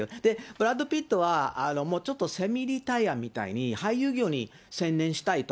ブラッド・ピットは、もうちょっとセミリタイアみたいに俳優業に専念したいと。